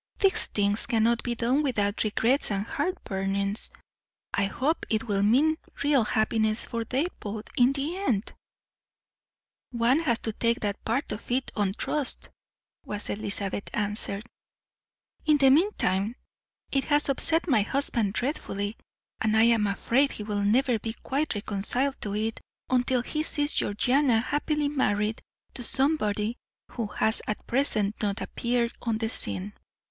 "These things cannot be done without regrets and heartburnings. I hope it will mean real happiness for them both in the end." "One has to take that part of it on trust," was Elizabeth's answer; "in the meantime it has upset my husband dreadfully, and I am afraid he will never be quite reconciled to it until he sees Georgiana happily married to somebody who has at present not appeared on the scene."